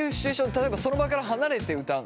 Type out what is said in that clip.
例えばその場から離れて歌うの？